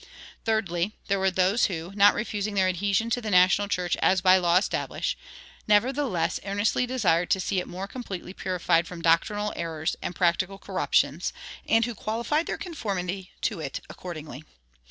Thirdly, there were those who, not refusing their adhesion to the national church as by law established, nevertheless earnestly desired to see it more completely purified from doctrinal errors and practical corruptions, and who qualified their conformity to it accordingly.